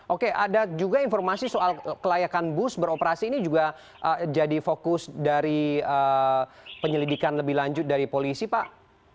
oke ada juga informasi soal kelayakan bus beroperasi ini juga jadi fokus dari penyelidikan lebih lanjut dari polisi pak